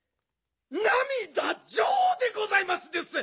なみだジョでございますです！